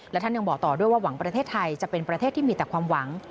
และท่านยังบอกต่อด้วยว่าหวังประเทศไทยจะเป็นประเทศที่มีแต่ความหวัง